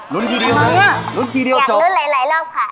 ลุ้นทีเดียวเลยอยากลุ้นหลายรอบค่ะ